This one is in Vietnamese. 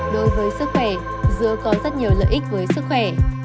đối với sức khỏe dứa có rất nhiều lợi ích với sức khỏe